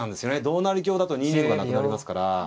同成香だと２二歩がなくなりますから。